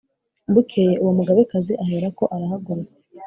Bukeye uwo mugabekazi aherako arahaguruka